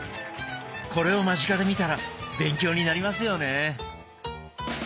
これを間近で見たら勉強になりますよね。